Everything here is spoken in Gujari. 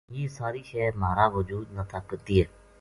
یہ ساری شے مھارا وجود نا طاقت دیئے